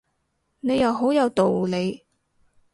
你又好有道理